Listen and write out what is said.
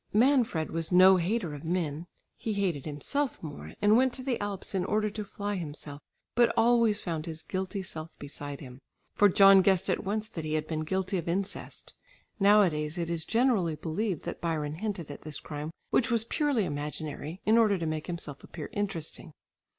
Manfred was no hater of men; he hated himself more, and went to the Alps in order to fly himself, but always found his guilty self beside him, for John guessed at once that he had been guilty of incest. Nowadays it is generally believed that Byron hinted at this crime, which was purely imaginary, in order to make himself appear interesting.